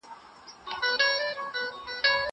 زه به کتاب ليکلی وي!